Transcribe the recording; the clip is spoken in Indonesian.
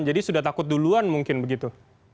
jadi sudah takut duluan mungkin begitu